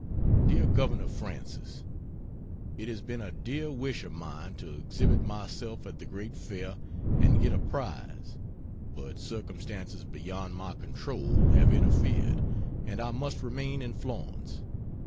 DEAR GOVERNOR FRANCIS, It has been a dear wish of mine to exhibit myself at the Great Fair and get a prize, but circumstances beyond my control have interfered, and I must remain in Florence.